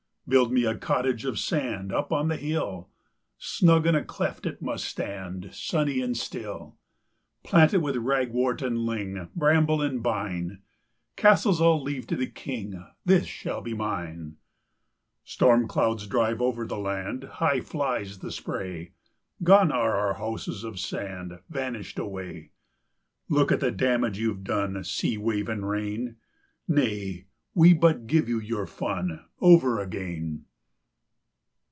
Build me a cottage of sand Up on the hill; Snug in a cleft it must stand Sunny and still. Plant it with ragwort and ling, Bramble and bine: Castles I'll leave to the King, This shall be mine. Storm clouds drive over the land, High flies the spray; Gone are our houses of sand, Vanished away! Look at the damage you've done, Sea wave and rain! "Nay, we but give you your fun Over again."